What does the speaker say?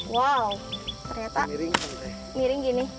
wow ternyata miring gini